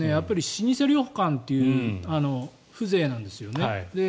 老舗旅館という風情なんですよね。